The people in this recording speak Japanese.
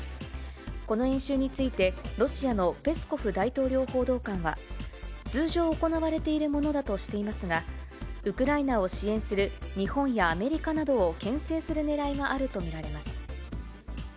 この演習について、ロシアのペスコフ大統領報道官は、通常行われているものだとしていますが、ウクライナを支援する日本やアメリカなどをけん制するねらいがあると見られます。